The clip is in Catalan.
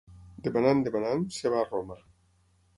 Demanant, demanant, es va a Roma.